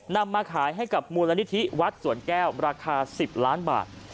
นำมาขายให้กับมูลนิธิวัดสวนแก้วราคา๑๐ล้านบาท